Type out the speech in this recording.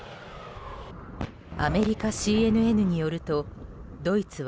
アメリカＣＮＮによるとドイツは